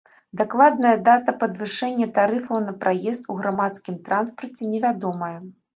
Дакладная дата падвышэння тарыфаў на праезд у грамадскім транспарце невядомая.